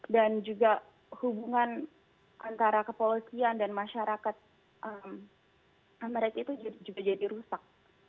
dan juga hubungan antara kepolisian dan masyarakat amerika itu juga jadi rusak